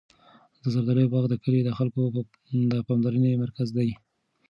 د زردالو باغ د کلي د خلکو د پاملرنې مرکز دی.